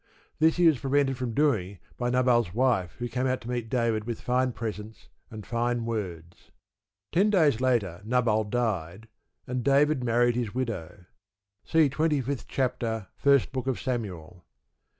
This he was prevented from doing by Nabal's wife, who came out to meet David with fine presents and fine words. Ten days later Nabal died, and David married his widow. See twenty fifth chapter First Book of Samuel.